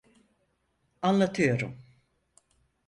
Anlatıyorum.